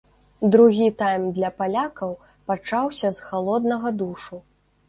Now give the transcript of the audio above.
Другі тайм для палякаў пачаўся з халоднага душу.